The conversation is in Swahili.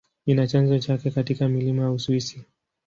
Ina chanzo chake katika milima ya Uswisi.